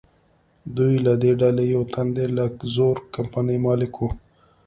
دوی له دې ډلې یو تن د لکزور کمپنۍ مالک و.